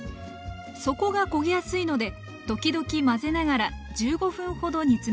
底が焦げやすいので時々混ぜながら１５分ほど煮詰めます